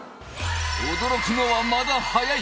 驚くのはまだ早い！